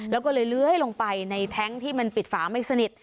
แล้วก็เลยเลื้อยลงไปในแท้งที่มันปิดฝาไม่สนิท